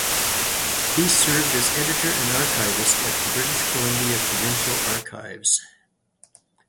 He served as Editor and Archivist at the British Columbia Provincial Archives.